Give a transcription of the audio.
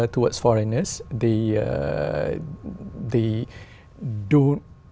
tôi có thể ngồi xuống